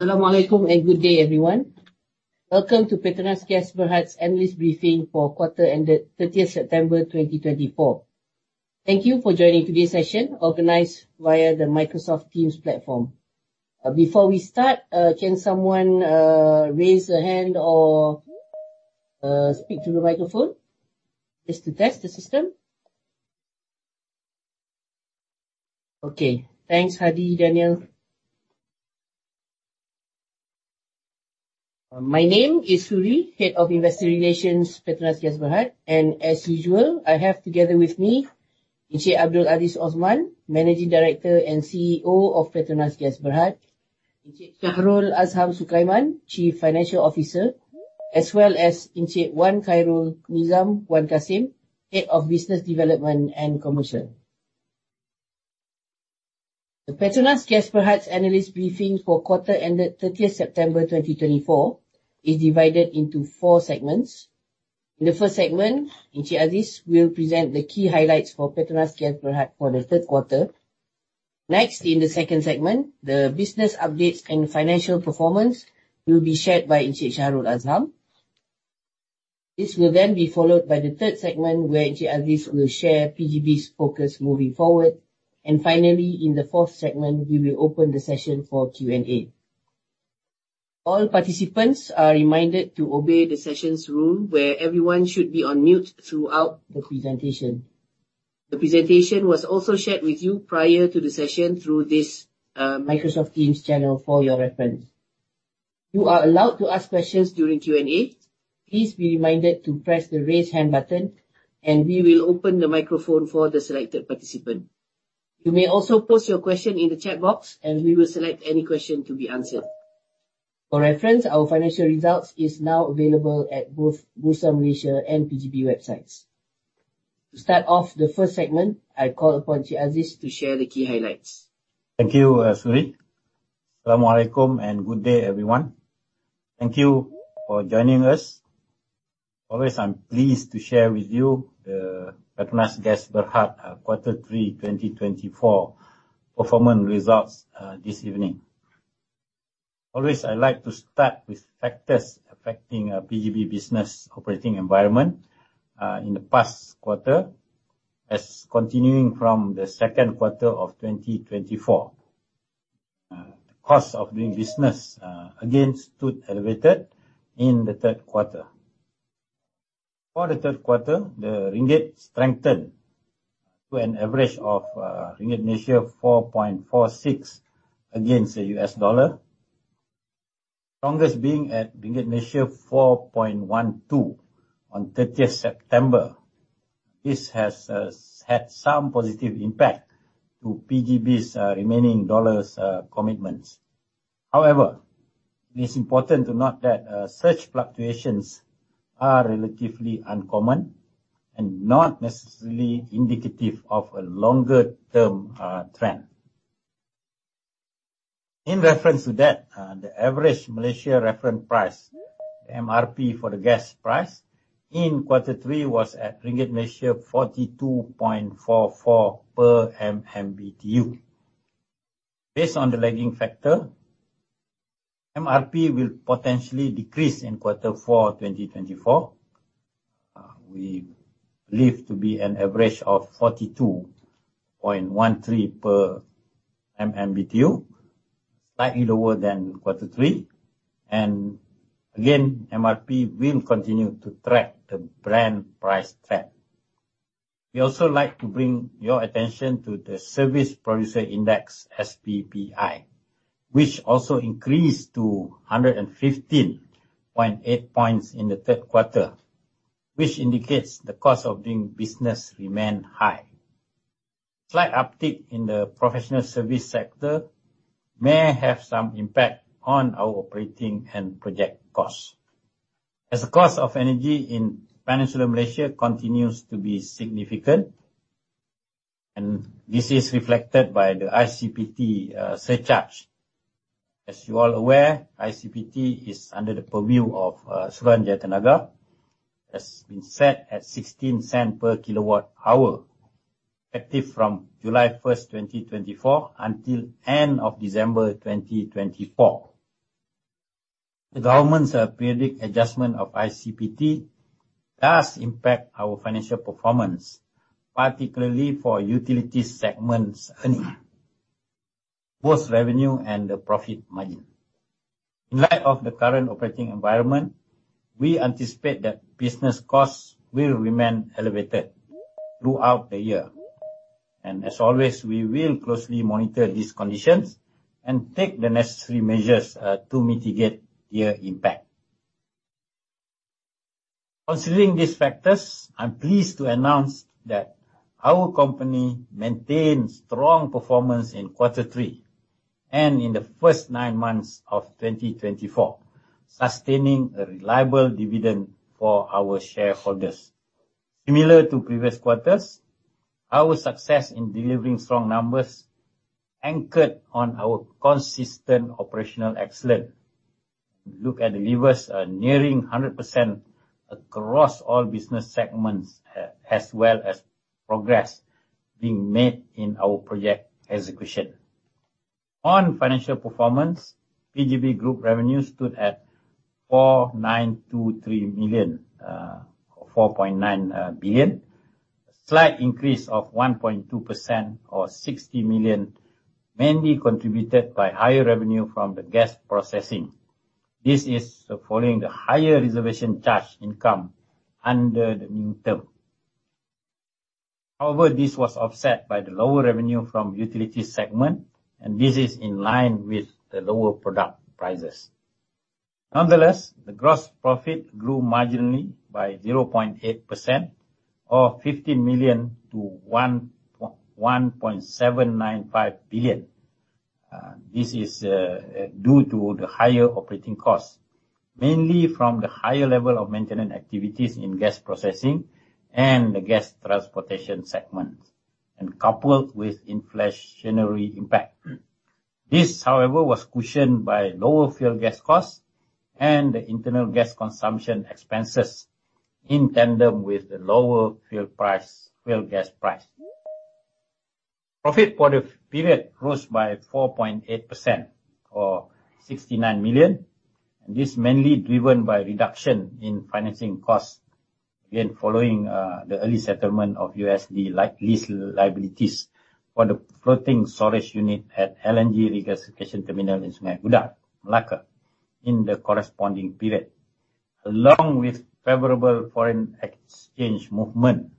Assalamualaikum and good day, everyone. Welcome to PETRONAS Gas Berhad's annual briefing for Quarter Ended, 30th September 2024. Thank you for joining today's session organized via the Microsoft Teams platform. Before we start, can someone raise a hand or speak to the microphone just to test the system? Okay, thanks, Hadi Daniel. My name is Suriya, Head of Investor Relations, PETRONAS Gas Berhad, and as usual, I have together with me Encik Abdul Aziz Othman, Managing Director and CEO of PETRONAS Gas Berhad, Encik Shahrul Azham Sukaiman, Chief Financial Officer, as well as Encik Wan Khairul Nizam Wan Kasim, Head of Business Development and Commercial. The PETRONAS Gas Berhad's annual briefing for Quarter Ended, 30th September 2024 is divided into four segments. In the first segment, Encik Aziz will present the key highlights for PETRONAS Gas Berhad for the third quarter. Next, in the second segment, the business updates and financial performance will be shared by Encik Shahrul Azham. This will then be followed by the third segment where Encik Aziz will share PGB's focus moving forward, and finally, in the fourth segment, we will open the session for Q&A. All participants are reminded to obey the session's rule where everyone should be on mute throughout the presentation. The presentation was also shared with you prior to the session through this Microsoft Teams channel for your reference. You are allowed to ask questions during Q&A. Please be reminded to press the raise hand button, and we will open the microphone for the selected participant. You may also post your question in the chat box, and we will select any question to be answered. For reference, our financial results are now available at both Bursa Malaysia and PGB websites. To start off the first segment, I call upon Encik Aziz to share the key highlights. Thank you, Suriya. Assalamualaikum and good day, everyone. Thank you for joining us. Always, I'm pleased to share with you the PETRONAS Gas Berhad Quarter 3, 2024 performance results this evening. Always, I like to start with factors affecting PGB business operating environment in the past quarter. As continuing from the second quarter of 2024, the cost of doing business again stood elevated in the third quarter. For the third quarter, the ringgit strengthened to an average of RM 4.46 against the US dollar, strongest being at RM 4.12 on 30th September. This has had some positive impact on PGB's remaining dollar commitments. However, it is important to note that such fluctuations are relatively uncommon and not necessarily indicative of a longer-term trend. In reference to that, the average Malaysia reference price, MRP for the gas price in Quarter 3, was at RM 42.44 per MMBTU. Based on the lagging factor, MRP will potentially decrease in Quarter 4, 2024. We believe to be an average of RM 42.13 per MMBTU, slightly lower than Quarter 3 and again, MRP will continue to track the Brent price trend. We also like to bring your attention to the Services Producer Price Index, SPPI, which also increased to 115.8 points in the third quarter, which indicates the cost of doing business remains high. Slight uptick in the professional service sector may have some impact on our operating and project costs, as the cost of energy in Peninsular Malaysia continues to be significant, and this is reflected by the ICPT surcharge. As you are aware, ICPT is under the purview of Suruhanjaya Tenaga, as it has been set at RM 0.16 per kilowatt hour, effective from July 1, 2024, until the end of December 2024. The government's periodic adjustment of ICPT does impact our financial performance, particularly for utility segments' earnings, both revenue and the profit margin. In light of the current operating environment, we anticipate that business costs will remain elevated throughout the year, and as always, we will closely monitor these conditions and take the necessary measures to mitigate their impact. Considering these factors, I'm pleased to announce that our company maintained strong performance in Quarter 3 and in the first nine months of 2024, sustaining a reliable dividend for our shareholders. Similar to previous quarters, our success in delivering strong numbers is anchored on our consistent operational excellence. Look at the levers nearing 100% across all business segments, as well as progress being made in our project execution. On financial performance, PGB Group revenues stood at RM 4.923 billion, a slight increase of 1.2% or RM 60 million, mainly contributed by higher revenue from the gas processing. This is following the higher reservation charge income under the mid-term. However, this was offset by the lower revenue from the utility segment, and this is in line with the lower product prices. Nonetheless, the gross profit grew marginally by 0.8%, or RM 15 million to RM 1.795 billion. This is due to the higher operating costs, mainly from the higher level of maintenance activities in gas processing and the gas transportation segment, coupled with inflationary impacts. This, however, was cushioned by lower fuel gas costs and the internal gas consumption expenses in tandem with the lower fuel gas price. Profit for the period rose by 4.8%, or RM 69 million. This is mainly driven by a reduction in financing costs, again following the early settlement of USD lease liabilities for the floating storage unit at LNG Regasification Terminal in Sungai Udang, Melaka, in the corresponding period, along with favorable foreign exchange movement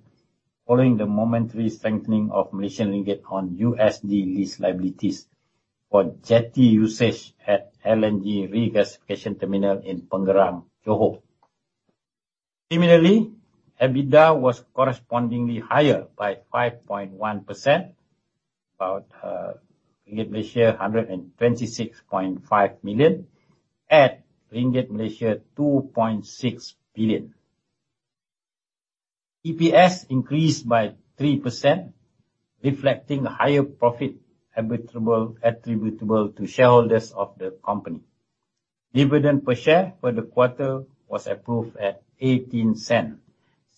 following the momentary strengthening of Malaysian Ringgit on USD lease liabilities for jetty usage at LNG Regasification Terminal in Pengerang, Johor. Similarly, EBITDA was correspondingly higher by 5.1%, about RM 126.5 million at RM 2.6 billion. EPS increased by 3%, reflecting a higher profit attributable to shareholders of the company. Dividend per share for the quarter was approved at RM 0.18,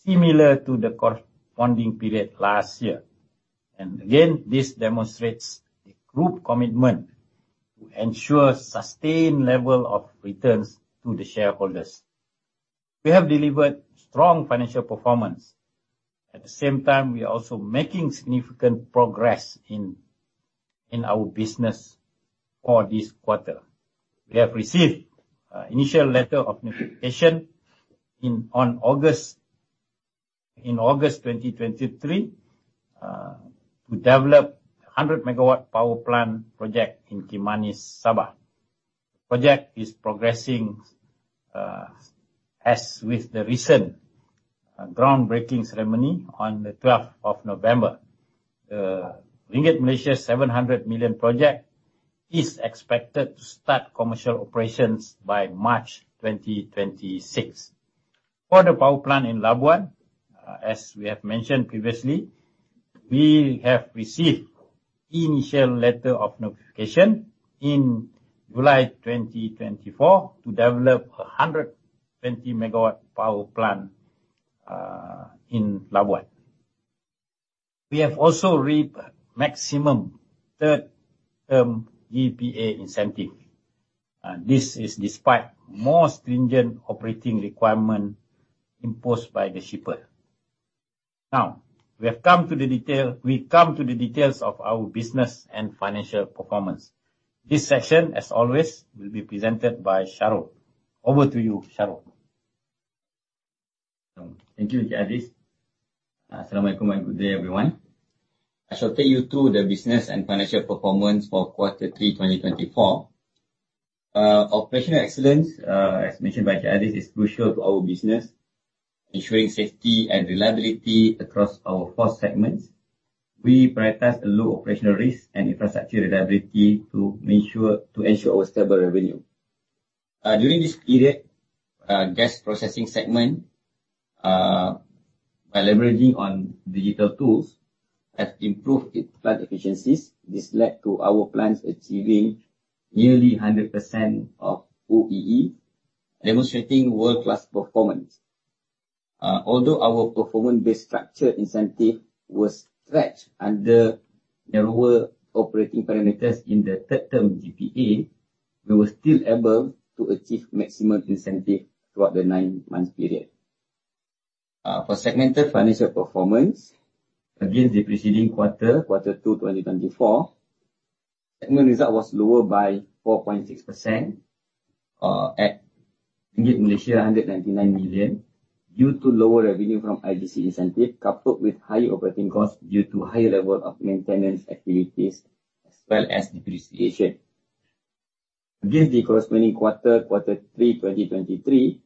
similar to the corresponding period last year, and again, this demonstrates the Group's commitment to ensure a sustained level of returns to the shareholders. We have delivered strong financial performance. At the same time, we are also making significant progress in our business for this quarter. We have received an initial letter of notification in August 2023 to develop a 100-megawatt power plant project in Kimanis, Sabah. The project is progressing as with the recent groundbreaking ceremony on the 12th of November. The RM 700 million project is expected to start commercial operations by March 2026. For the power plant in Labuan, as we have mentioned previously, we have received an initial letter of notification in July 2024 to develop a 120-megawatt power plant in Labuan. We have also reaped the maximum third-term GPA incentive. This is despite more stringent operating requirements imposed by the shipper. Now, we have come to the details of our business and financial performance. This section, as always, will be presented by Shahrul. Over to you, Shahrul. Thank you, Encik Aziz. Assalamualaikum and good day, everyone. I shall take you through the business and financial performance for Quarter 3, 2024. Operational excellence, as mentioned by Encik Aziz, is crucial to our business, ensuring safety and reliability across our four segments. We prioritize a low operational risk and infrastructure reliability to ensure our stable revenue. During this period, the gas processing segment, by leveraging digital tools, has improved its plant efficiencies. This led to our plants achieving nearly 100% of OEE, demonstrating world-class performance. Although our performance-based structured incentive was stretched under narrower operating parameters in the third-term GPA, we were still able to achieve maximum incentive throughout the nine-month period. For segmented financial performance, against the preceding quarter, Quarter 2, 2024, the segment result was lower by 4.6% at RM 199 million due to lower revenue from IGC incentive, coupled with higher operating costs due to a higher level of maintenance activities as well as depreciation. Against the corresponding quarter, Quarter 3, 2023,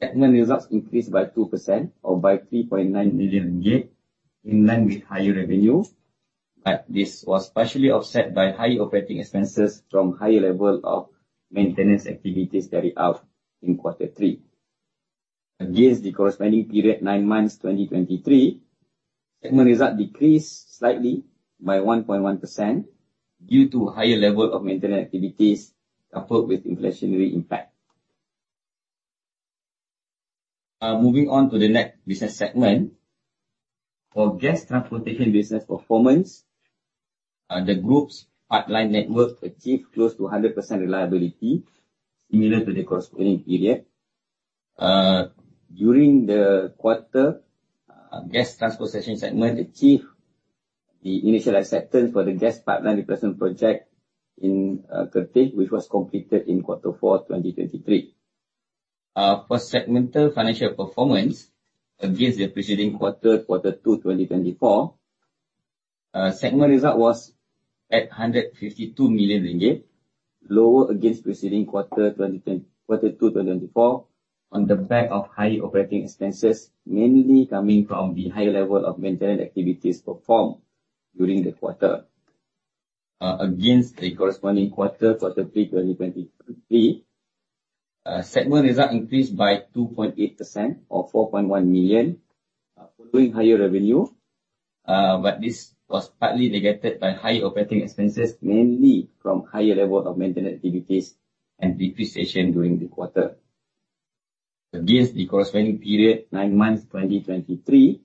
the segment results increased by 2% or by RM 3.9 million in line with higher revenue, but this was partially offset by higher operating expenses from a higher level of maintenance activities carried out in Quarter 3. Against the corresponding period, nine months, 2023, the segment result decreased slightly by 1.1% due to a higher level of maintenance activities coupled with inflationary impact. Moving on to the next business segment, for gas transportation business performance, the Group's pipeline network achieved close to 100% reliability, similar to the corresponding period. During the quarter, the gas transportation segment achieved the initial acceptance for the gas pipeline replacement project in Kerteh, which was completed in Quarter 4, 2023. For segmental financial performance, against the preceding quarter, Quarter 2, 2024, the segment result was at RM 152 million, lower against the preceding quarter, Quarter 2, 2024, on the back of higher operating expenses, mainly coming from the higher level of maintenance activities performed during the quarter. Against the corresponding quarter, Quarter 3, 2023, the segment result increased by 2.8% or RM 4.1 million, following higher revenue, but this was partly negated by higher operating expenses, mainly from a higher level of maintenance activities and depreciation during the quarter. Against the corresponding period, nine months, 2023,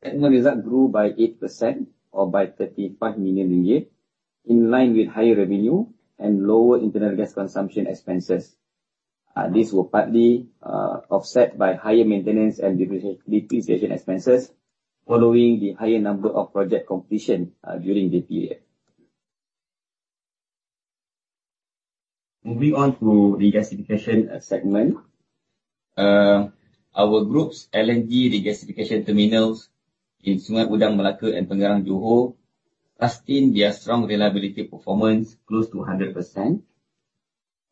the segment result grew by 8% or by RM 35 million, in line with higher revenue and lower internal gas consumption expenses. This was partly offset by higher maintenance and depreciation expenses, following the higher number of project completions during the period. Moving on to the regasification segment, our Group's LNG regasification terminals in Sungai Udang, Melaka, and Pengerang, Johor, boasting their strong reliability performance close to 100%.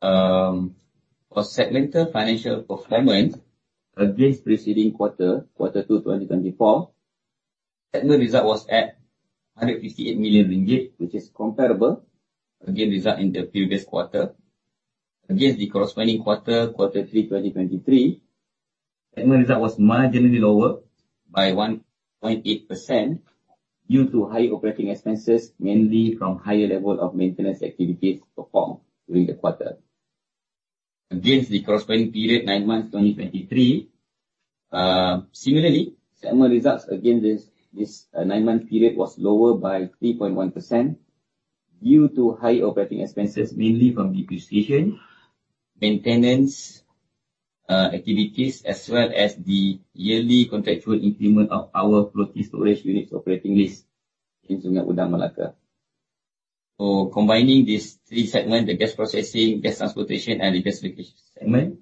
For segmental financial performance, against the preceding quarter, Quarter 2, 2024, the segment result was at RM 158 million, which is comparable, again, to the result in the previous quarter. Against the corresponding quarter, Quarter 3, 2023, the segment result was marginally lower by 1.8% due to higher operating expenses, mainly from a higher level of maintenance activities performed during the quarter. Against the corresponding period, nine months, 2023, similarly, the segment result against this nine-month period was lower by 3.1% due to higher operating expenses, mainly from depreciation, maintenance activities, as well as the yearly contractual increment of our floating storage units operating lease in Sungai Udang, Melaka. Combining these three segments, the gas processing, gas transportation, and regasification segment,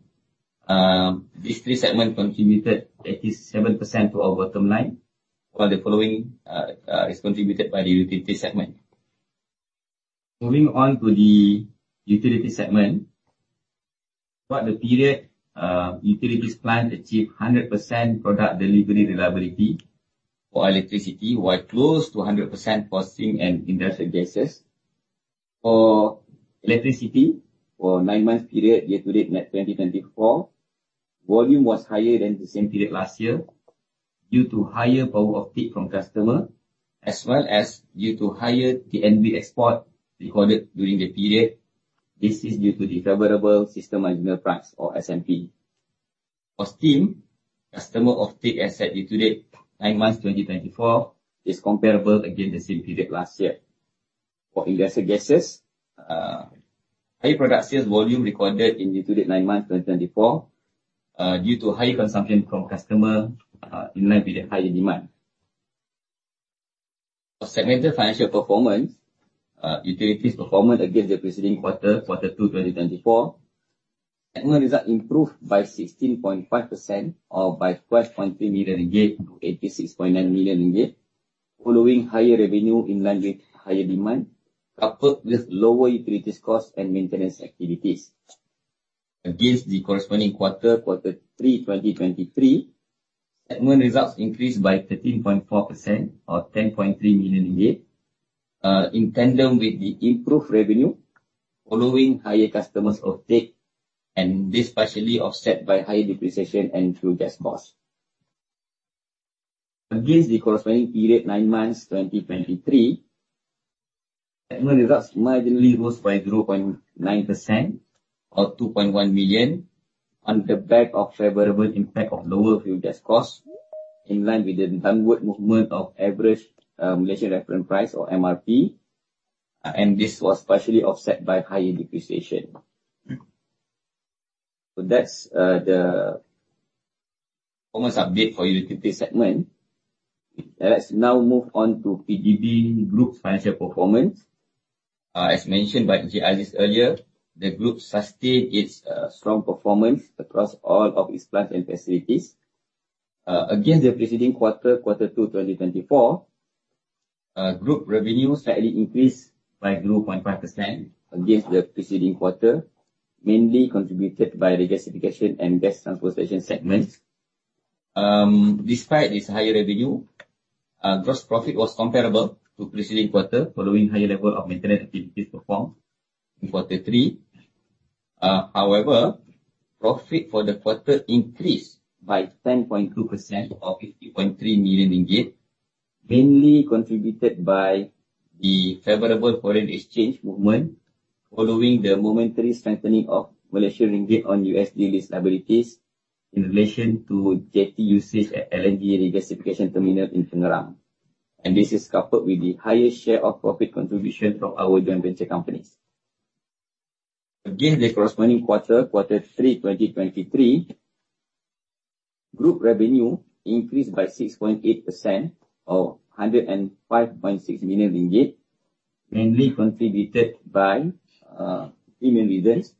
these three segments contributed 87% to our bottom line, while the following is contributed by the utility segment. Moving on to the utility segment, throughout the period, utilities plants achieved 100% product delivery reliability for electricity, while close to 100% for steam and industrial gases. For electricity, for the nine-month period, year to date, 2024, the volume was higher than the same period last year due to higher power offtake from customers, as well as due to higher TNB export recorded during the period. This is due to the favorable system marginal price, or SMP. For steam, customer offtake as at year to date, nine months, 2024, is comparable, again, to the same period last year. For industrial gases, higher product sales volume recorded in year to date, nine months, 2024, due to higher consumption from customers in line with the higher demand. For segmental financial performance, utilities performance against the preceding quarter, Quarter 2, 2024, the segment result improved by 16.5% or by RM 12.3 million to RM 86.9 million, following higher revenue in line with higher demand, coupled with lower utilities costs and maintenance activities. Against the corresponding quarter, Quarter 3, 2023, the segment result increased by 13.4% or RM 10.3 million, in tandem with the improved revenue following higher customer offtake, and this partially offset by higher depreciation and fuel gas costs. Against the corresponding period, nine months, 2023, the segment result marginally rose by 0.9% or RM 2.1 million, on the back of favorable impact of lower fuel gas costs, in line with the downward movement of average Malaysia Reference Price, or MRP, and this was partially offset by higher depreciation. So that's the performance update for the utility segment. Let's now move on to PGB Group's financial performance. As mentioned by Encik Aziz earlier, the Group sustained its strong performance across all of its plants and facilities. Against the preceding quarter, Quarter 2, 2024, Group revenue slightly increased by 0.5% against the preceding quarter, mainly contributed by regasification and gas transportation segments. Despite its higher revenue, gross profit was comparable to the preceding quarter, following higher level of maintenance activities performed in Quarter 3. However, profit for the quarter increased by 10.2% or RM 50.3 million, mainly contributed by the favorable foreign exchange movement, following the momentary strengthening of Malaysian Ringgit on USD lease liabilities in relation to Jetty usage at LNG Regasification Terminal in Pengerang, and this is coupled with the higher share of profit contribution from our joint venture companies. Against the corresponding quarter, Quarter 3, 2023, Group revenue increased by 6.8% or RM 105.6 million, mainly contributed by three main reasons.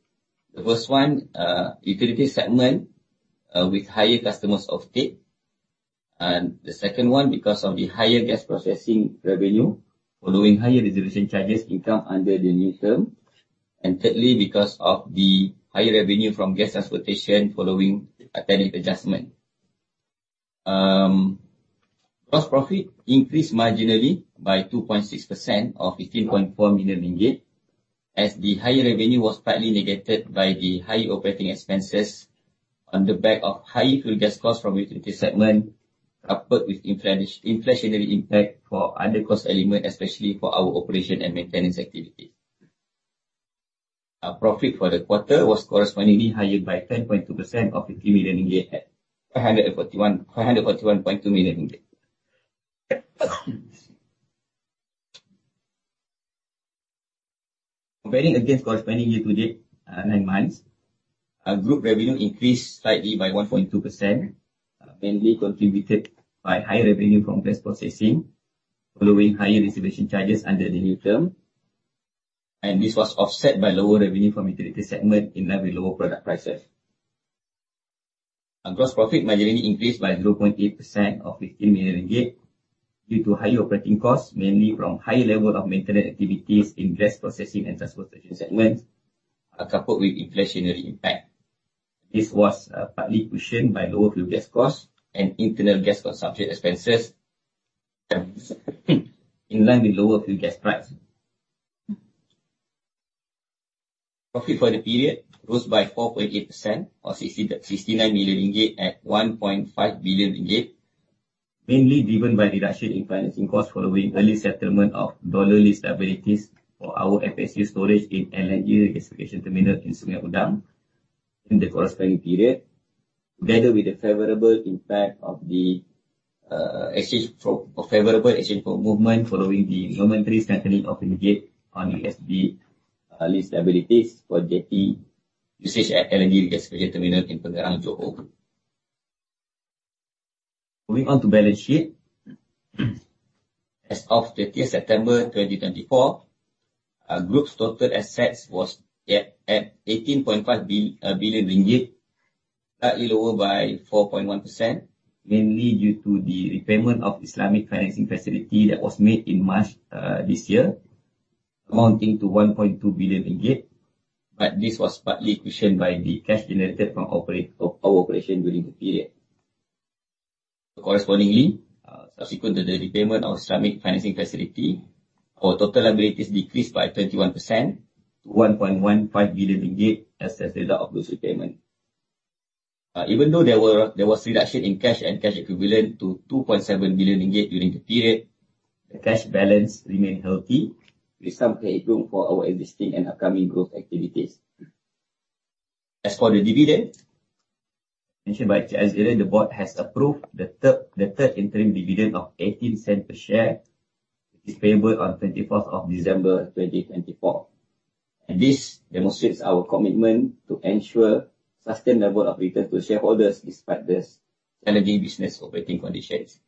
The first one, the utility segment with higher customer offtake. The second one, because of the higher gas processing revenue, following higher reservation charges income under the new term, and thirdly, because of the higher revenue from gas transportation following a tariff adjustment. Gross profit increased marginally by 2.6% or RM 15.4 million, as the higher revenue was partly negated by the higher operating expenses on the back of higher fuel gas costs from utility segment, coupled with inflationary impact for other cost elements, especially for our operation and maintenance activities. Profit for the quarter was correspondingly higher by 10.2% or RM 50 million, at RM 541.2 million. Comparing against the corresponding year to date, nine months, Group revenue increased slightly by 1.2%, mainly contributed by higher revenue from gas processing, following higher reservation charges under the new term. And this was offset by lower revenue from utility segment in line with lower product prices. Gross profit marginally increased by 0.8% or RM 15 million due to higher operating costs, mainly from higher level of maintenance activities in gas processing and transportation segments, coupled with inflationary impact. This was partly cushioned by lower fuel gas costs and internal gas consumption expenses, in line with lower fuel gas prices. Profit for the period rose by 4.8% or RM 69 million, at RM 1.5 billion, mainly driven by reduction in financing costs following early settlement of dollar lease liabilities for our FSU storage in LNG Regasification Terminal in Sungai Udang in the corresponding period, together with the favorable impact of the favorable exchange rate movement following the momentary strengthening of the USD lease liabilities for Jetty usage at LNG Regasification Terminal in Pengerang, Johor. Moving on to the balance sheet, as of 30 September 2024, Group's total assets was at RM 18.5 billion, slightly lower by 4.1%, mainly due to the repayment of Islamic financing facility that was made in March this year, amounting to RM 1.2 billion, but this was partly cushioned by the cash generated from our operation during the period. Correspondingly, subsequent to the repayment of Islamic financing facility, our total liabilities decreased by 21% to RM 1.15 billion as a result of this repayment. Even though there was a reduction in cash and cash equivalent to RM 2.7 billion during the period, the cash balance remained healthy, with some credit room for our existing and upcoming growth activities. As for the dividend, as mentioned by Encik Azham, the Board has approved the third interim dividend of RM 0.18 per share, which is payable on 24 December 2024. This demonstrates our commitment to ensure a sustainable return to shareholders despite the challenging business operating conditions.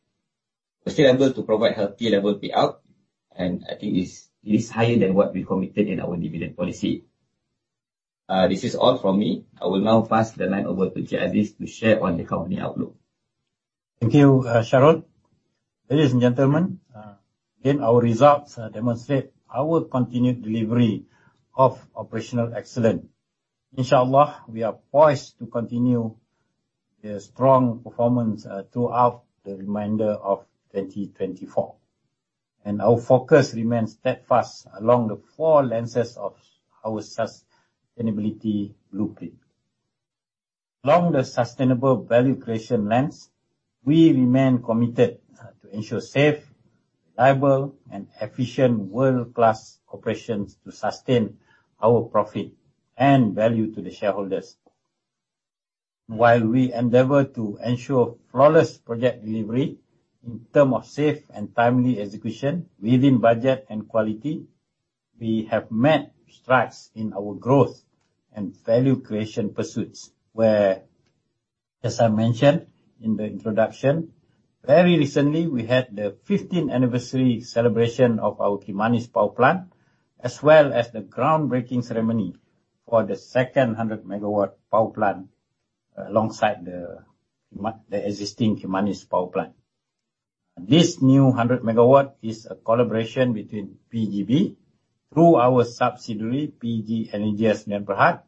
We are still able to provide healthy level payout, and I think it is higher than what we committed in our dividend policy. This is all from me. I will now pass the line over to Encik Aziz to share on the company outlook. Thank you, Shahrul. Ladies and gentlemen, again, our results demonstrate our continued delivery of operational excellence. Insya-Allah, we are poised to continue the strong performance throughout the remainder of 2024. Our focus remains steadfast along the four lenses of our sustainability blueprint. Along the sustainable value creation lens, we remain committed to ensure safe, reliable, and efficient world-class operations to sustain our profit and value to the shareholders. While we endeavor to ensure flawless project delivery in terms of safe and timely execution within budget and quality, we have met strikes in our growth and value creation pursuits, where, as I mentioned in the introduction, very recently we had the 15th anniversary celebration of our Kimanis Power Plant, as well as the groundbreaking ceremony for the second 100-megawatt power plant alongside the existing Kimanis Power Plant. This new 100-megawatt is a collaboration between PGB through our subsidiary, PGB Energy Sdn Bhd,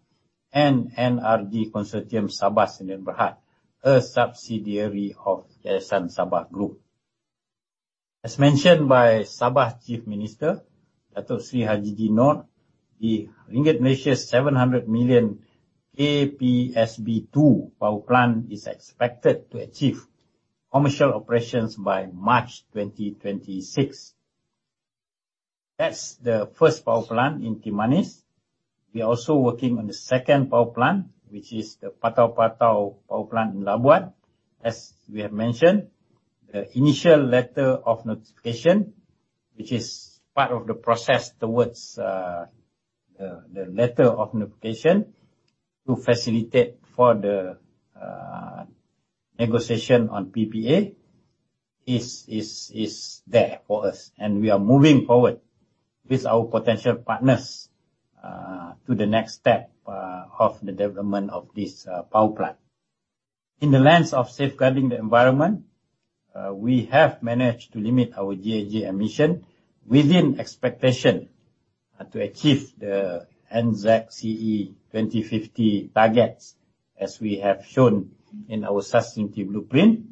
and NRG Consortium (Sabah) Sdn Bhd, a subsidiary of Yayasan Sabah Group. As mentioned by Sabah Chief Minister, Datuk Seri Panglima Hajiji Noor, the RM 700 million KPSB2 power plant is expected to achieve commercial operations by March 2026. That's the first power plant in Kimanis. We are also working on the second power plant, which is the Patau-Patau Power Plant in Labuan. As we have mentioned, the initial letter of notification, which is part of the process towards the letter of notification to facilitate for the negotiation on PPA, is there for us, and we are moving forward with our potential partners to the next step of the development of this power plant. In the lens of safeguarding the environment, we have managed to limit our GHG emission within expectation to achieve the NZCE 2050 targets, as we have shown in our sustainability blueprint,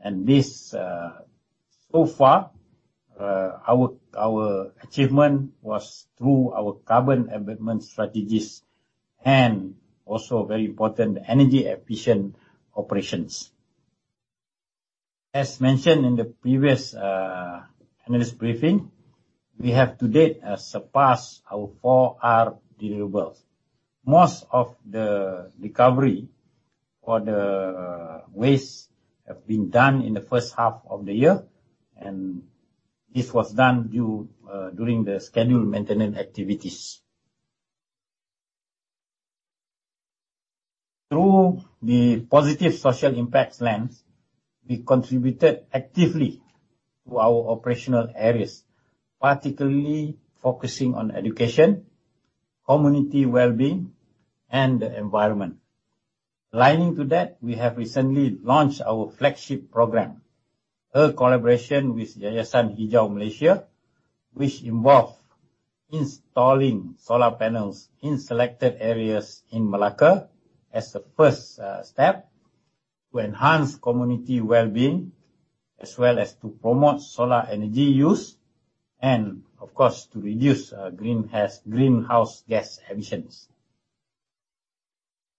and this, so far, our achievement was through our carbon abatement strategies and also, very important, the energy efficient operations. As mentioned in the previous analyst briefing, we have to date surpassed our 4R deliverables. Most of the recovery for the waste has been done in the first half of the year, and this was done during the scheduled maintenance activities. Through the positive social impact lens, we contributed actively to our operational areas, particularly focusing on education, community well-being, and the environment. Aligning to that, we have recently launched our flagship program, a collaboration with Yayasan Hijau Malaysia, which involves installing solar panels in selected areas in Melaka as the first step to enhance community well-being, as well as to promote solar energy use, and of course, to reduce greenhouse gas emissions.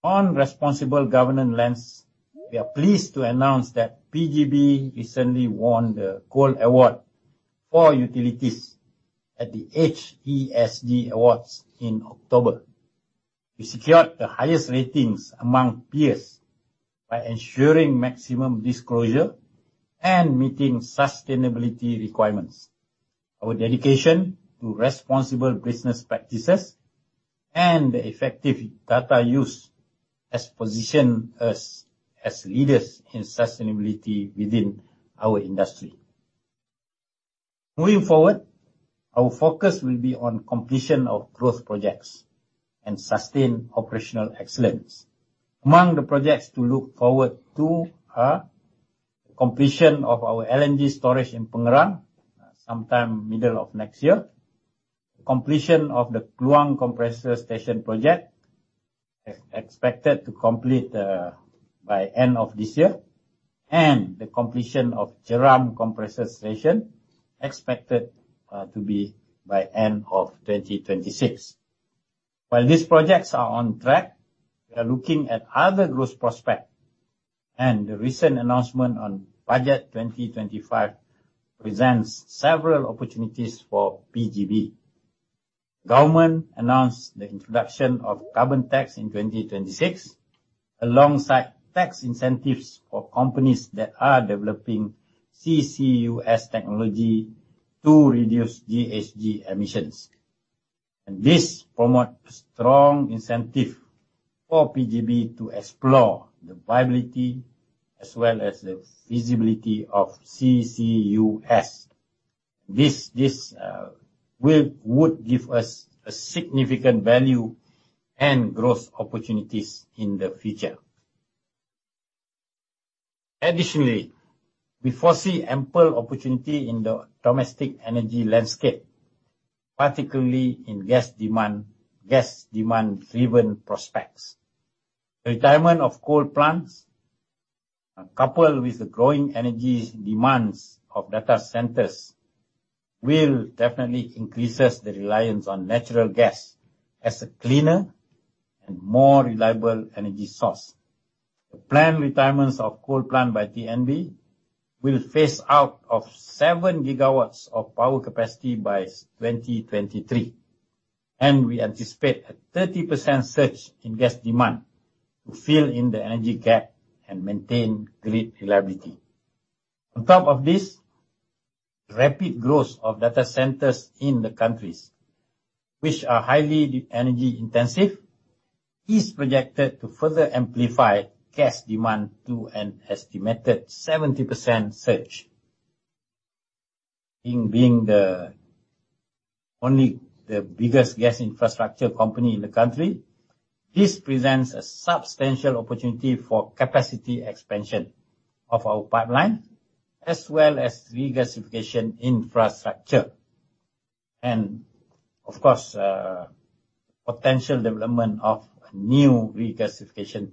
On responsible governance lens, we are pleased to announce that PGB recently won the Gold Award for utilities at the The Edge ESG Awards in October. We secured the highest ratings among peers by ensuring maximum disclosure and meeting sustainability requirements. Our dedication to responsible business practices and the effective data use has positioned us as leaders in sustainability within our industry. Moving forward, our focus will be on completion of growth projects and sustained operational excellence. Among the projects to look forward to are the completion of our LNG storage in Pengerang, sometime middle of next year. The completion of the Kluang compressor station project is expected to complete by the end of this year, and the completion of Jeram compressor station is expected to be by the end of 2026. While these projects are on track, we are looking at other growth prospects, and the recent announcement on Budget 2025 presents several opportunities for PGB. The government announced the introduction of carbon tax in 2026, alongside tax incentives for companies that are developing CCUS technology to reduce GHG emissions, and this promotes a strong incentive for PGB to explore the viability as well as the feasibility of CCUS. This would give us significant value and growth opportunities in the future. Additionally, we foresee ample opportunity in the domestic energy landscape, particularly in gas demand-driven prospects. The retirement of coal plants, coupled with the growing energy demands of data centers, will definitely increase the reliance on natural gas as a cleaner and more reliable energy source. The planned retirement of coal plants by TNB will phase out 7 gigawatts of power capacity by 2023. We anticipate a 30% surge in gas demand to fill in the energy gap and maintain grid reliability. On top of this, the rapid growth of data centers in the country, which are highly energy intensive, is projected to further amplify gas demand to an estimated 70% surge. Being the only biggest gas infrastructure company in the country, this presents a substantial opportunity for capacity expansion of our pipeline, as well as regasification infrastructure, and of course, the potential development of new regasification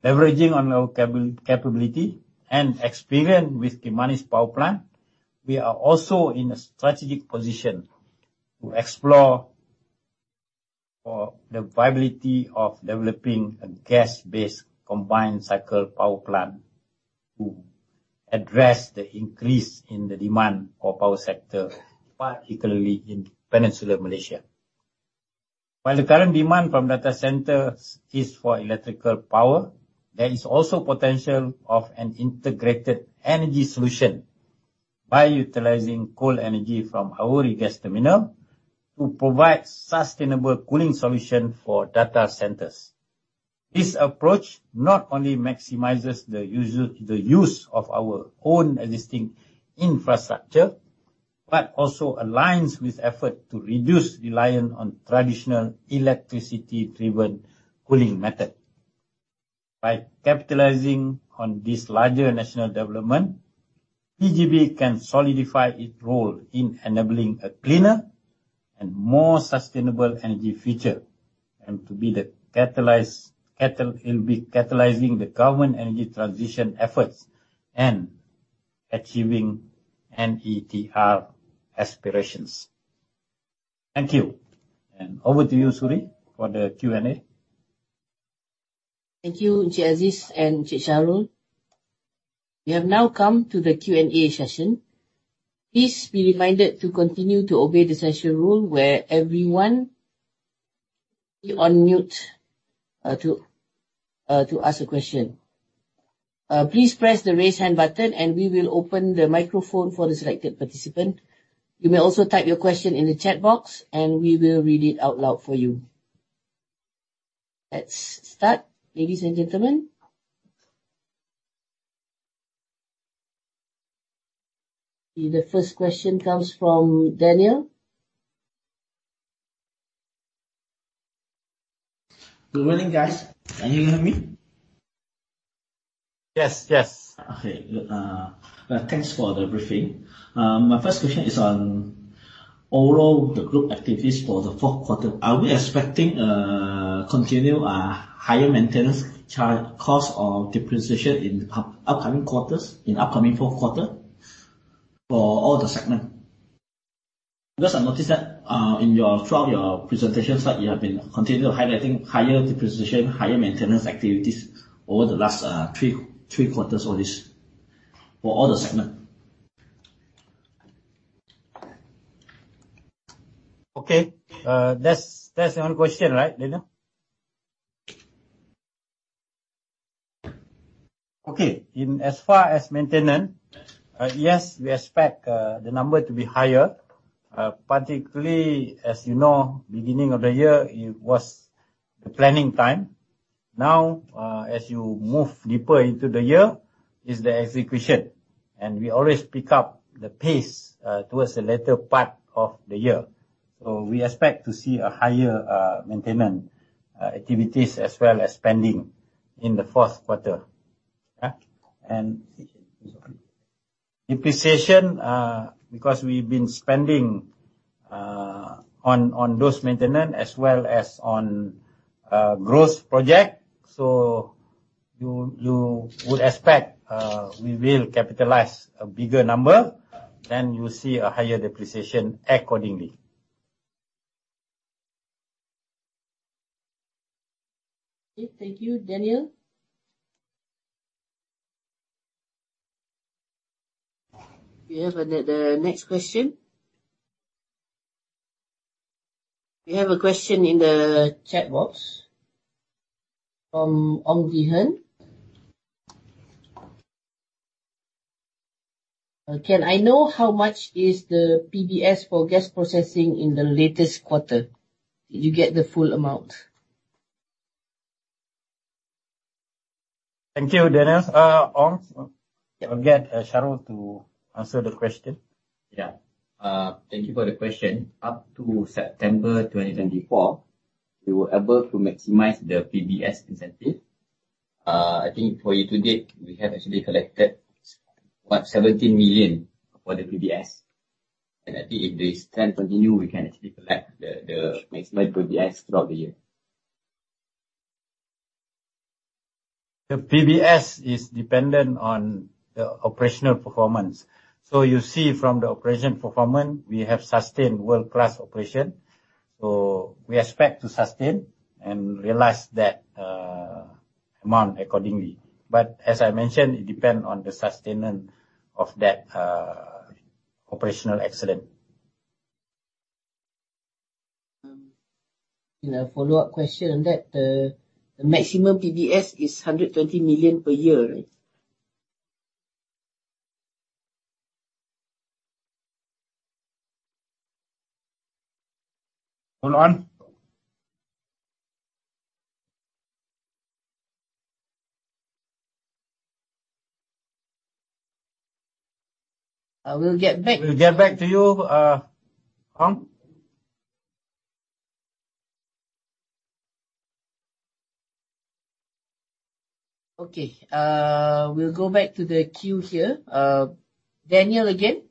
terminals. Leveraging on our capability and experience with Kimanis Power Plant, we are also in a strategic position to explore the viability of developing a gas-based combined cycle power plant to address the increase in the demand for the power sector, particularly in Peninsular Malaysia. While the current demand from data centers is for electrical power, there is also potential for an integrated energy solution by utilizing cold energy from our regasification terminal to provide sustainable cooling solutions for data centers. This approach not only maximizes the use of our own existing infrastructure but also aligns with efforts to reduce reliance on traditional electricity-driven cooling methods. By capitalizing on this larger national development, PGB can solidify its role in enabling a cleaner and more sustainable energy future and to be the catalyst in catalyzing the government energy transition efforts and achieving NETR aspirations. Thank you. And over to you, Suriya, for the Q&A. Thank you, Encik Aziz and Encik Shahrul. We have now come to the Q&A session. Please be reminded to continue to obey the session rule where everyone will be on mute to ask a question. Please press the raise hand button, and we will open the microphone for the selected participant. You may also type your question in the chat box, and we will read it out loud for you. Let's start, ladies and gentlemen. The first question comes from Daniel. Good morning, guys. Can you hear me? Yes, yes. Okay, good. Thanks for the briefing. My first question is on overall the group activities for the fourth quarter. Are we expecting to continue a higher maintenance cost of depreciation in the upcoming quarters, in the upcoming fourth quarter, for all the segments? Because I noticed that throughout your presentation slide, you have been continuing to highlight higher depreciation, higher maintenance activities over the last three quarters or this for all the segments. Okay, that's the only question, right, Daniel? Okay, as far as maintenance, yes, we expect the number to be higher, particularly, as you know, beginning of the year, it was the planning time. Now, as you move deeper into the year, it's the execution. And we always pick up the pace towards the later part of the year. So we expect to see a higher maintenance activities as well as spending in the fourth quarter. And depreciation, because we've been spending on those maintenance as well as on growth projects, so you would expect we will capitalize a bigger number, then you'll see a higher depreciation accordingly. Thank you, Daniel. We have the next question. We have a question in the chat box from Ong Tze Hern. Can I know how much is the PBS for gas processing in the latest quarter? Did you get the full amount? Thank you, Daniel. Ong, can you get Shahrul to answer the question? Yeah, thank you for the question. Up to September 2024, we were able to maximize the PBS incentive. I think for year to date, we have actually collected about RM 17 million for the PBS. I think if they can continue, we can actually collect the maximum PBS throughout the year. The PBS is dependent on the operational performance. So you see from the operational performance, we have sustained world-class operation. We expect to sustain and realize that amount accordingly. But as I mentioned, it depends on the sustenance of that operational excellence. A follow-up question on that. The maximum PBS is RM 120 million per year, right? Hold on. I will get back. We'll get back to you, Ong. Okay, we'll go back to the queue here. Daniel again.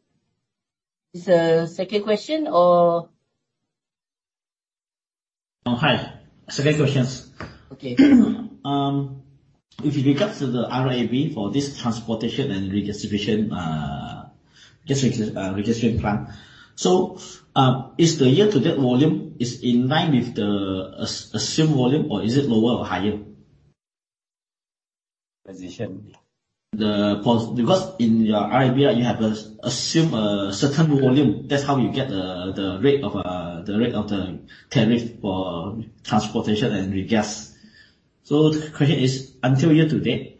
It's a second question or? Hi, second question. Okay. If you look at the RAB for this transportation and regasification plants, so is the year-to-date volume in line with the assumed volume, or is it lower or higher? Because in your RAB, you have assumed a certain volume. That's how you get the rate of the tariff for transportation and regas. So the question is, until year to date,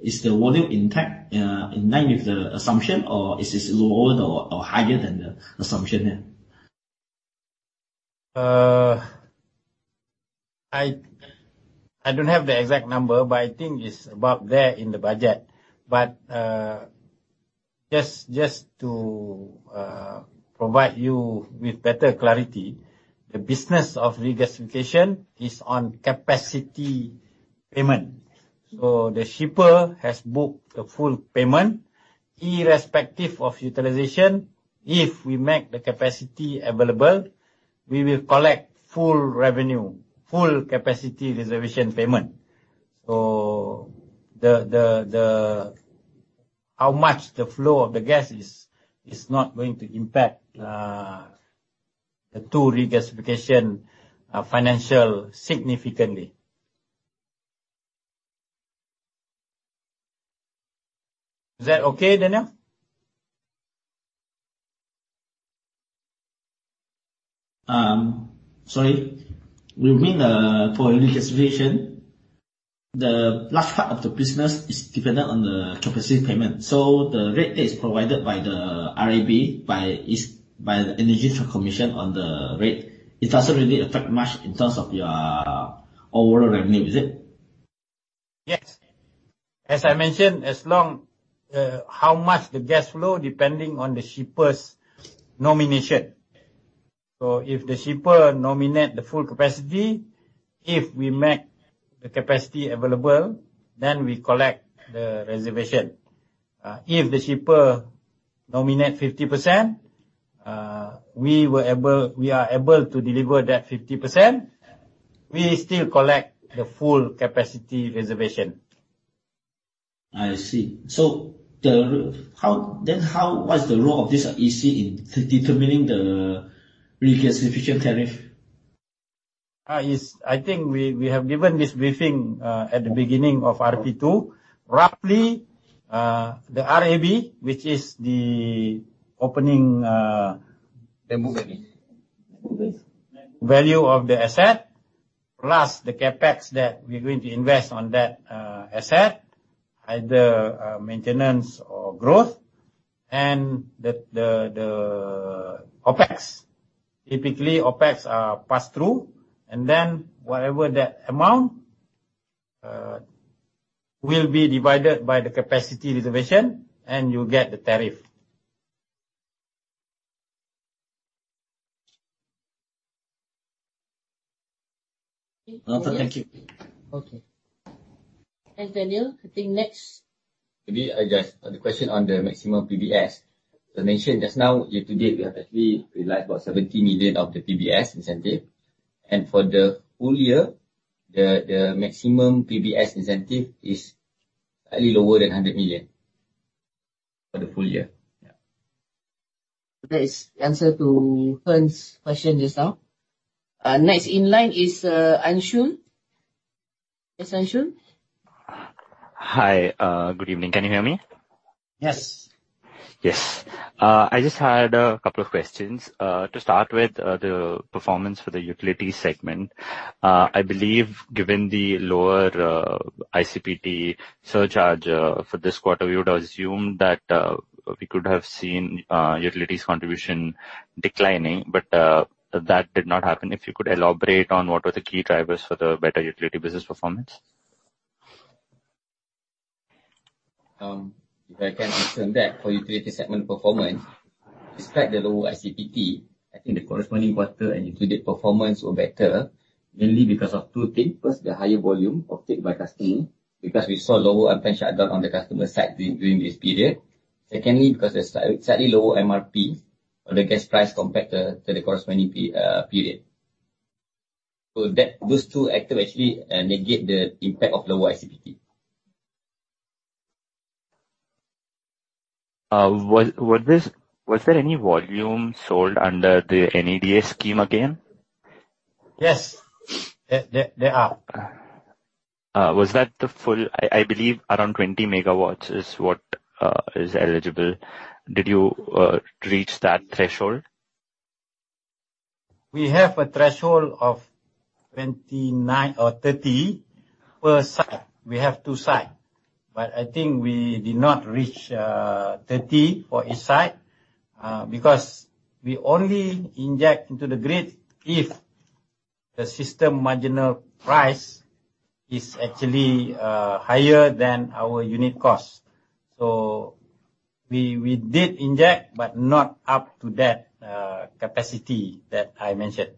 is the volume intact in line with the assumption, or is it lower or higher than the assumption? I don't have the exact number, but I think it's about there in the budget. But just to provide you with better clarity, the business of regasification is on capacity payment. The shipper has booked the full payment irrespective of utilization. If we make the capacity available, we will collect full revenue, full capacity reservation payment. How much the flow of the gas is not going to impact the regasification financials significantly. Is that okay, Daniel? Sorry. We mean for regasification, the large part of the business is dependent on the capacity payment. The rate that is provided by the RAB, by the Energy Commission on the rate, it doesn't really affect much in terms of your overall revenue, is it? Yes. As I mentioned, as long as how much the gas flow depending on the shipper's nomination. If the shipper nominates the full capacity, if we make the capacity available, then we collect the reservation. If the shipper nominates 50%, we are able to deliver that 50%. We still collect the full capacity reservation. I see. So then how was the role of this EC in determining the regasification tariff? I think we have given this briefing at the beginning of RP2. Roughly, the RIB, which is the opening value of the asset plus the CapEx that we're going to invest on that asset, either maintenance or growth, and the OpEx. Typically, OpEx are pass-through, and then whatever that amount will be divided by the capacity reservation, and you get the tariff. Thank you. Okay, and Daniel, I think next. Maybe I just have a question on the maximum PBS. As I mentioned just now, year to date, we have actually realized about RM 70 million of the PBS incentive. And for the full year, the maximum PBS incentive is slightly lower than RM 100 million for the full year. That is the answer to Hern's question just now. Next in line is Anshul. Yes, Anshul. Hi, good evening. Can you hear me? Yes. Yes. I just had a couple of questions. To start with, the performance for the utility segment, I believe given the lower ICPT surcharge for this quarter, we would have assumed that we could have seen utilities' contribution declining, but that did not happen. If you could elaborate on what were the key drivers for the better utility business performance? If I can explain that for utility segment performance, despite the lower ICPT, I think the corresponding quarter and utility performance were better mainly because of two things. First, the higher volume obtained by customers because we saw lower unplanned shutdown on the customer side during this period. Secondly, because there's slightly lower MRP on the gas price compared to the corresponding period. So those two factors actually negate the impact of lower ICPT. Was there any volume sold under the NEDA scheme again? Yes, there are. Was that the full? I believe around 20 megawatts is what is eligible. Did you reach that threshold? We have a threshold of 29 or 30 per site. We have two sites. But I think we did not reach 30 for each site because we only inject into the grid if the system marginal price is actually higher than our unit cost. So we did inject, but not up to that capacity that I mentioned.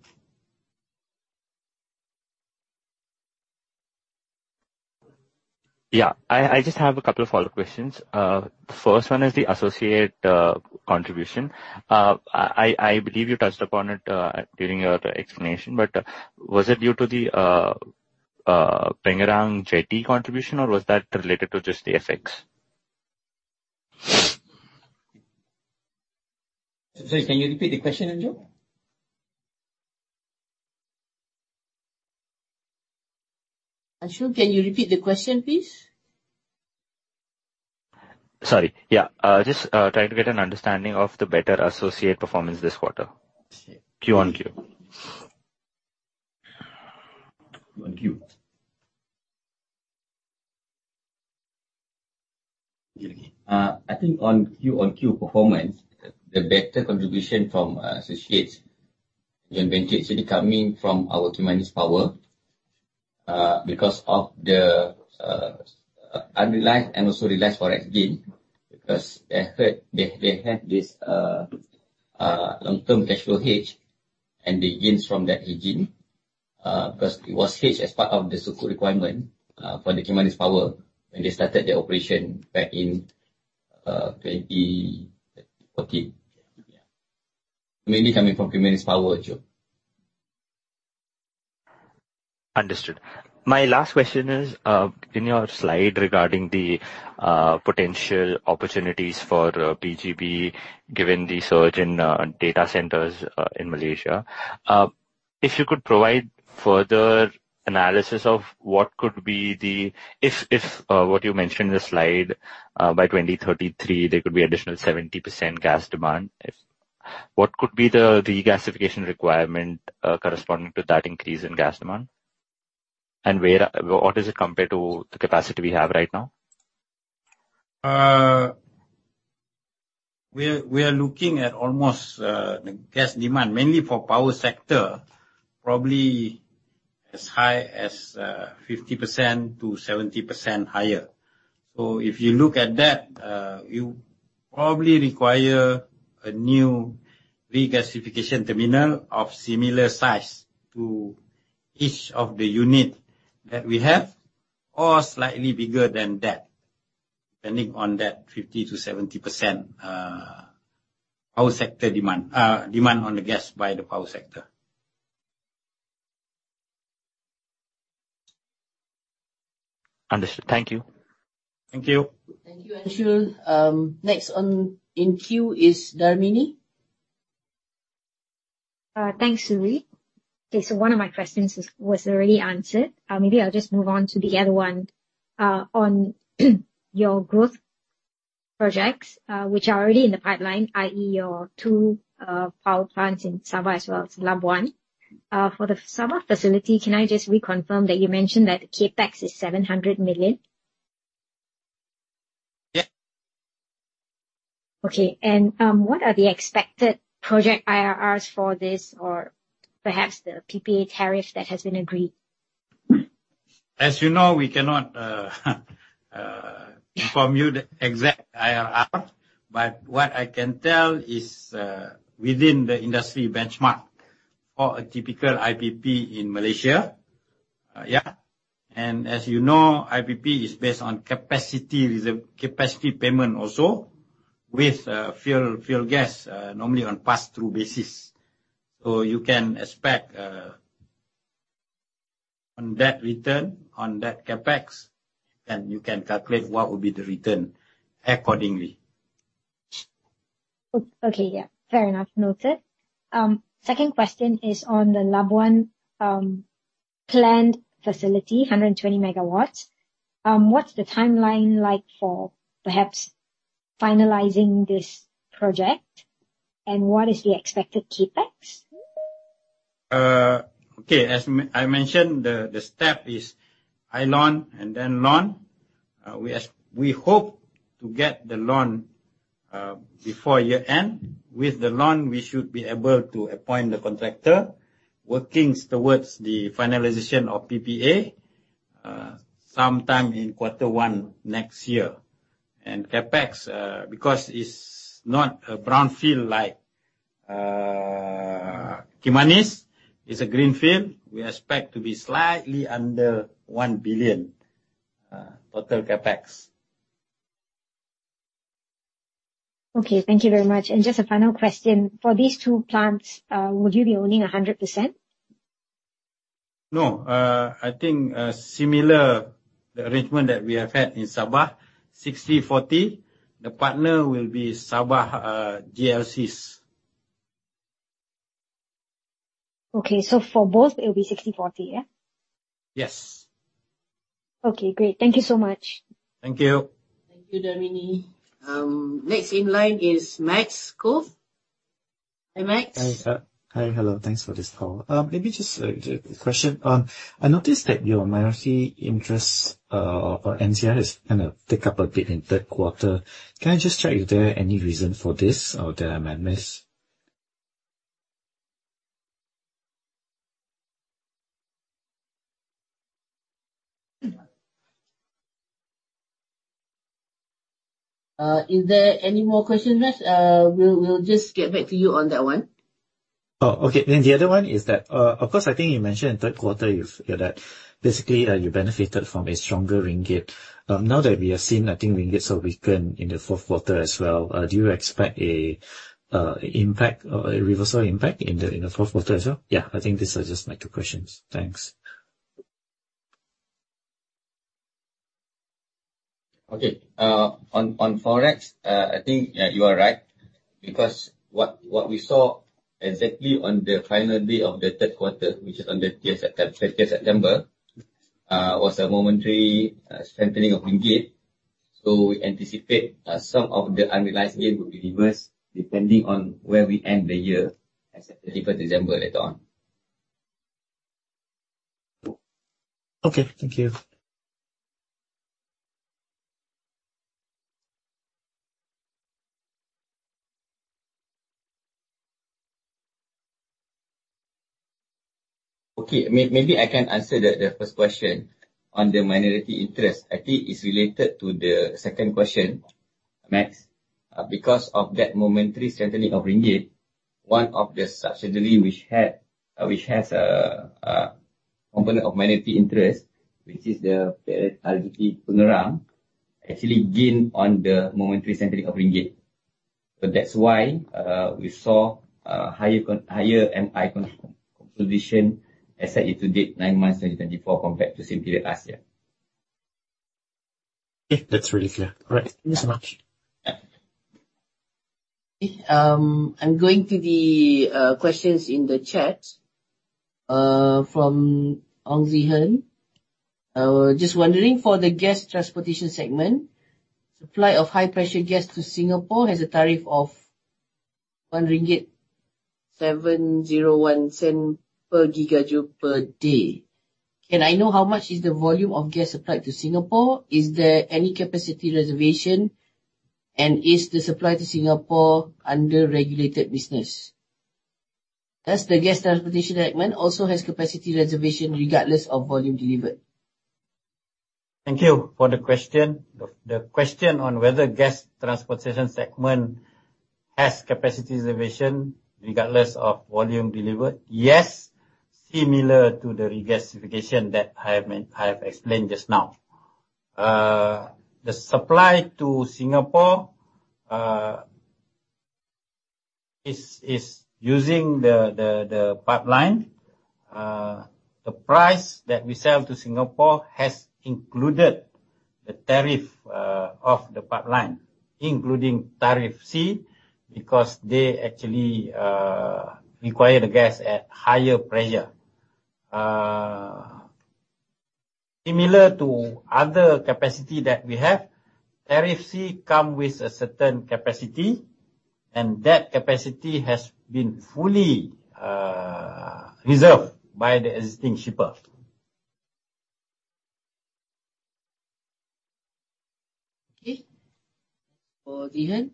Yeah, I just have a couple of follow-up questions. The first one is the associate contribution. I believe you touched upon it during your explanation, but was it due to the Pengerang Jetty contribution, or was that related to just the FX? Sorry, can you repeat the question, Anshul? Anshul, can you repeat the question, please? Sorry. Yeah, just trying to get an understanding of the better associate performance this quarter. Q on Q. I think on Q on Q performance, the better contribution from associates and venture actually coming from our Kimanis Power because of the unrealized and also realized forex gain. Because I heard they had this long-term cash flow hedge, and they gained from that hedging because it was hedged as part of the Sukuk requirement for the Kimanis Power when they started their operation back in 2014. Mainly coming from Kimanis Power, Anshul. Understood. My last question is in your slide regarding the potential opportunities for PGB given the surge in data centers in Malaysia. If you could provide further analysis of what could be what you mentioned in the slide, by 2033, there could be an additional 70% gas demand, what could be the regasification requirement corresponding to that increase in gas demand? And what does it compare to the capacity we have right now? We are looking at almost the gas demand, mainly for power sector, probably as high as 50%-70% higher. So if you look at that, you probably require a new regasification terminal of similar size to each of the units that we have or slightly bigger than that, depending on that 50%-70% power sector demand on the gas by the power sector. Understood. Thank you. Thank you. Thank you, Anshul. Next in queue is Darmini. Thanks, Suriya. Okay, so one of my questions was already answered. Maybe I'll just move on to the other one on your growth projects, which are already in the pipeline, i.e., your two power plants in Sabah as well as Labuan. For the Sabah facility, can I just reconfirm that you mentioned that the CapEx is RM 700 million? Yeah. Okay. And what are the expected project IRRs for this or perhaps the PPA tariff that has been agreed? As you know, we cannot inform you the exact IRR, but what I can tell is within the industry benchmark for a typical IPP in Malaysia. Yeah. And as you know, IPP is based on capacity payment also with fuel gas, normally on pass-through basis. So you can expect on that return, on that CapEx, you can calculate what will be the return accordingly. Okay. Yeah. Fair enough. Noted. Second question is on the Labuan planned facility, 120 megawatts. What's the timeline like for perhaps finalizing this project, and what is the expected CAPEX? Okay. As I mentioned, the step is ILON and then LON. We hope to get the LON before year-end. With the LON, we should be able to appoint the contractor, working towards the finalization of PPA sometime in quarter one next year. And CAPEX, because it's not a brownfield like Kimanis, it's a greenfield. We expect to be slightly under RM 1 billion total CAPEX. Okay. Thank you very much. And just a final question. For these two plants, would you be owning 100%? No. I think similar arrangement that we have had in Sabah, 60/40. The partner will be Sabah GLCs. Okay. So for both, it will be 60/40, yeah? Yes. Okay. Great. Thank you so much. Thank you. Thank you, Darmini. Next in line is Max Koh. Hi, Max. Hi. Hello. Thanks for this call. Maybe just a question. I noticed that your minority interest or NCI has kind of taken up a bit in third quarter. Can I just check if there are any reasons for this or that I might miss? Is there any more questions, Max? We'll just get back to you on that one. Oh, okay. Then the other one is that, of course, I think you mentioned in third quarter that basically you benefited from a stronger ringgit. Now that we have seen, I think, ringgit's weakened in the fourth quarter as well. Do you expect an impact or a reversal impact in the fourth quarter as well? Yeah, I think these are just my two questions. Thanks. Okay. On Forex, I think you are right because what we saw exactly on the final day of the third quarter, which is on the 30th of September, was a momentary strengthening of Ringgit. So we anticipate some of the unrealized gain would be reversed depending on where we end the year as of the 31st of December later on. Okay. Thank you. Okay. Maybe I can answer the first question on the minority interest. I think it's related to the second question, Max, because of that momentary strengthening of Ringgit, one of the subsidiaries which has a component of minority interest, which is the RGTP, actually gained on the momentary strengthening of Ringgit. So that's why we saw higher MI composition as of today, nine months 2024 compared to the same period last year. Okay. That's really clear. All right. Thank you so much. Okay. I'm going to the questions in the chat from Aung Sihan. Just wondering, for the gas transportation segment, supply of high-pressure gas to Singapore has a tariff of RM 1.701 per gigajoule per day. Can I know how much is the volume of gas supplied to Singapore? Is there any capacity reservation, and is the supply to Singapore under regulated business? Does the gas transportation segment also have capacity reservation regardless of volume delivered? Thank you for the question. The question on whether the gas transportation segment has capacity reservation regardless of volume delivered, yes, similar to the regasification that I have explained just now. The supply to Singapore is using the pipeline. The price that we sell to Singapore has included the tariff of the pipeline, including Tariff C, because they actually require the gas at higher pressure. Similar to other capacity that we have, Tariff C comes with a certain capacity, and that capacity has been fully reserved by the existing shipper. Okay. Thanks for the answer.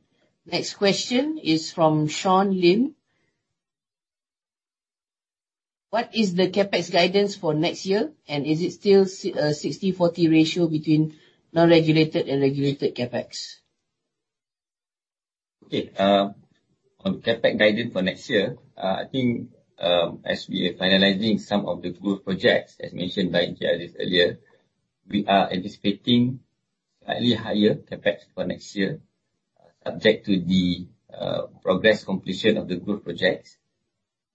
Next question is from Sean Lim. What is the CapEx guidance for next year, and is it still a 60/40 ratio between non-regulated and regulated CapEx? Okay. On CapEx guidance for next year, I think as we are finalizing some of the growth projects as mentioned by Suriya earlier, we are anticipating slightly higher CapEx for next year, subject to the progress completion of the growth projects.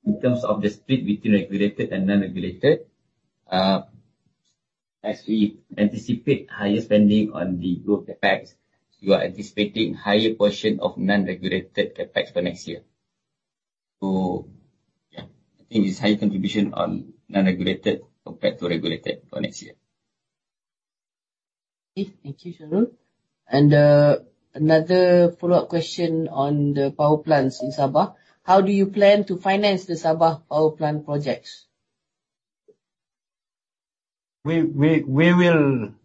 In terms of the split between regulated and non-regulated, as we anticipate higher spending on the growth CapEx, we are anticipating a higher portion of non-regulated CapEx for next year. So yeah, I think it's higher contribution on non-regulated compared to regulated for next year. Okay. Thank you, Shahrul. Another follow-up question on the power plants in Sabah. How do you plan to finance the Sabah power plant projects? We will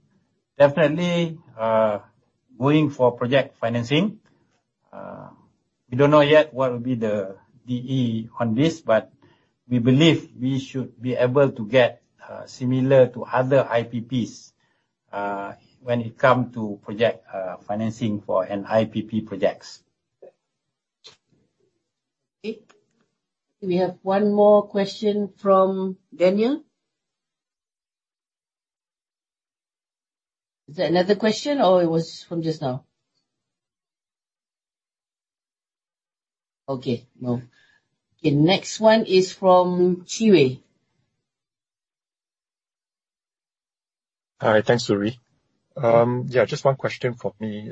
definitely go for project financing. We don't know yet what will be the DE on this, but we believe we should be able to get similar to other IPPs when it comes to project financing for NIPP projects. Okay. We have one more question from Daniel. Is there another question, or it was from just now? Okay. No. Okay. Next one is from Chi Wei. All right. Thanks, Suriya. Yeah, just one question for me.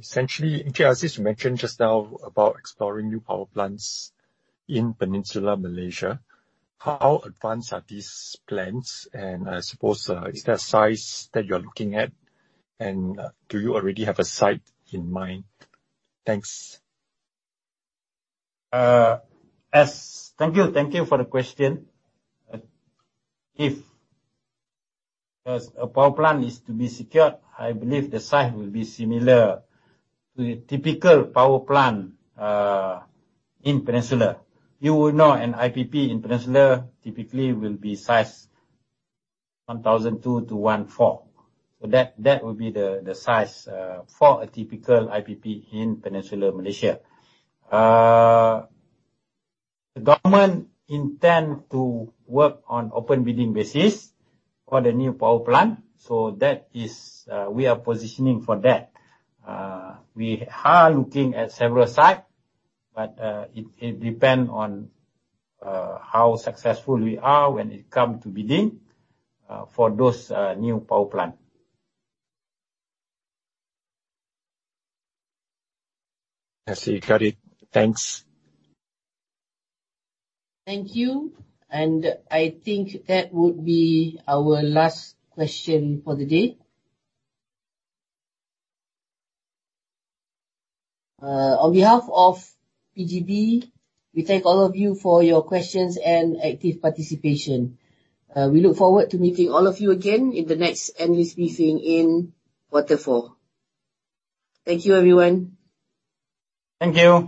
Essentially, NCR, as you mentioned just now about exploring new power plants in Peninsular Malaysia, how advanced are these plants? And I suppose, is there a size that you're looking at, and do you already have a site in mind? Thanks. Thank you. Thank you for the question. If a power plant is to be secured, I believe the size will be similar to a typical power plant in Peninsular Malaysia. You will know an IPP in Peninsular Malaysia typically will be sized 1,200 to 1,400. So that will be the size for a typical IPP in Peninsular Malaysia. The government intends to work on an open bidding basis for the new power plant. So that is, we are positioning for that. We are looking at several sites, but it depends on how successful we are when it comes to bidding for those new power plants. I see. Got it. Thanks. Thank you, and I think that would be our last question for the day. On behalf of PGB, we thank all of you for your questions and active participation. We look forward to meeting all of you again in the next analyst briefing in quarter four. Thank you, everyone. Thank you.